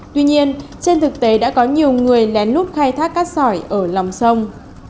tuy nhiên trên thực tế đã có nhiều người lén lút khai thác cát sỏi ở lòng sông